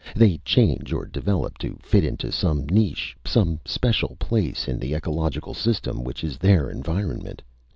They change or develop to fit into some niche, some special place in the ecological system which is their environment.